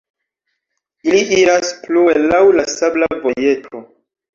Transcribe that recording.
Ili iras plue laŭ la sabla vojeto.